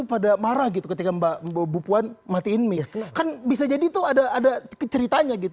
pada marah gitu ketika mbak bupuan matiin mik kan bisa jadi tuh ada ada keceritanya gitu